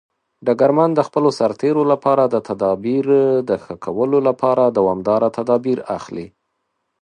ډګرمن د خپلو سرتیرو لپاره د تدابیر د ښه کولو لپاره دوامداره تدابیر اخلي.